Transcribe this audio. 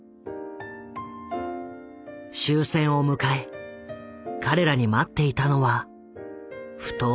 終戦を迎え彼らに待っていたのは不当な扱いだった。